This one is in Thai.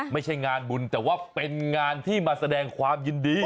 ไม่ใช่งานบุญแต่ว่าเป็นงานที่มาแสดงความยินดี